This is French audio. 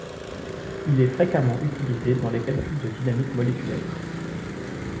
Il est fréquemment utilisé dans les calculs de dynamique moléculaire.